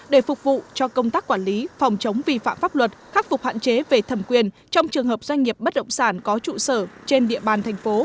để phục vụ cho công tác quản lý phòng chống vi phạm pháp luật khắc phục hạn chế về thẩm quyền trong trường hợp doanh nghiệp bất động sản có trụ sở trên địa bàn thành phố